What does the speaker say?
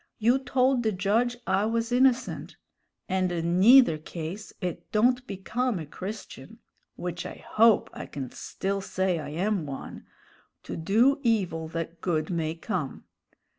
You told the judge I was innocent; and in neither case it don't become a Christian (which I hope I can still say I am one) to 'do evil that good may come.'